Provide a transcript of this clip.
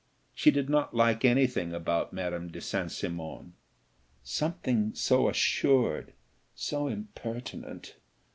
She did not like anything about Madame de St. Cymon: "Something so assured, so impertinent!